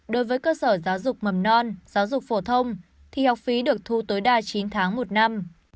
đối với cơ sở giáo dục mầm non giáo dục phổ thông thì học phí được thu tối đa chín tháng một năm